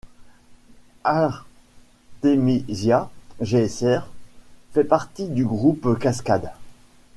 Artemisia Geyser fait partie du groupe Cascade.